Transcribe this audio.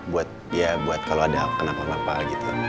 buat ya buat kalau ada kenapa apa gitu